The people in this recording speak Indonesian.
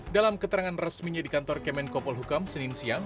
dalam keterangan resminya di kantor kemenkopol hukam senin siang